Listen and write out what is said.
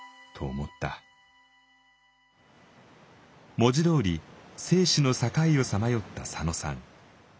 文字どおり生死の境をさまよった佐野さん。